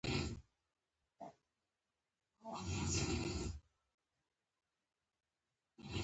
ژوند مو څه دی خو بس لوښی د ګنډېر دی